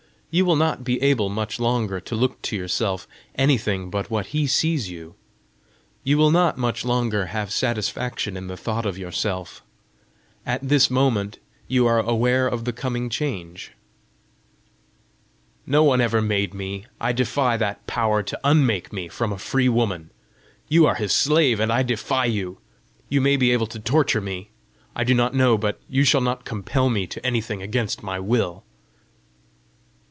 You will not be able much longer to look to yourself anything but what he sees you! You will not much longer have satisfaction in the thought of yourself. At this moment you are aware of the coming change!" "No one ever made me. I defy that Power to unmake me from a free woman! You are his slave, and I defy you! You may be able to torture me I do not know, but you shall not compel me to anything against my will!"